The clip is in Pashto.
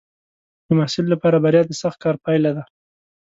د محصل لپاره بریا د سخت کار پایله ده.